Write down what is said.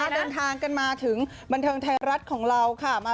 เดินทางกันมาถึงบันเทิงไทยรัฐของเราค่ะ